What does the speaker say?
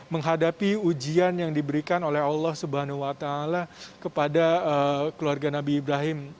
menghadapi ujian yang diberikan oleh allah swt kepada keluarga nabi ibrahim